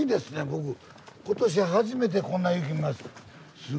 僕今年初めてこんな雪見ます。